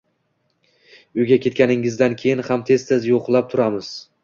Uyga ketganingizdan keyin ham tez-tez yo`qlab turamiz